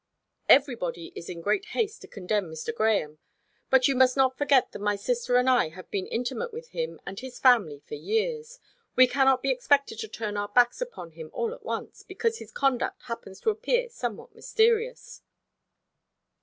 "Everybody is in great haste to condemn Mr. Grahame; but you must not forget that my sister and I have been intimate with him and his family for years. We cannot be expected to turn our backs upon him all at once, because his conduct happens to appear somewhat mysterious."